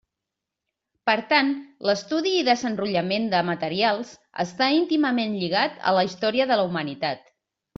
Per tant, l'estudi i desenrotllament de materials està íntimament lligat a la història de la humanitat.